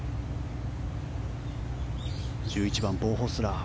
１１番、ボウ・ホスラー。